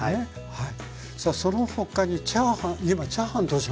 はい。